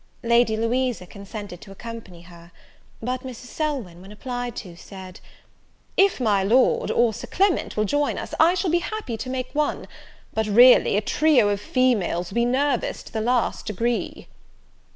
Lady Louisa consented to accompany her; but Mrs. Selwyn, when applied to, said, "If my Lord, or Sir Clement, will join us, I shall be happy to make one; but really a trio of females will be nervous to the last degree."